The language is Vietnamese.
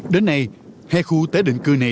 đến nay hai khu tế định cư này